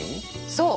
そう。